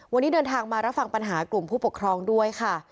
วันนี้เดินทางมารับฟังปัญหากลุ่มผู้ปกครองด้วยค่ะ